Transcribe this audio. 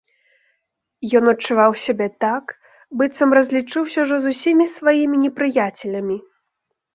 Ён адчуваў сябе так, быццам разлічыўся ўжо з усімі сваімі непрыяцелямі.